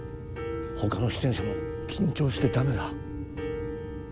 ほかの出演者も緊張して駄目だ。